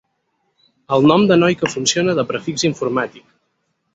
El nom de noi que funciona de prefix informàtic.